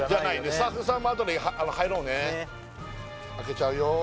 スタッフさんもあとで入ろうねねっ開けちゃうよ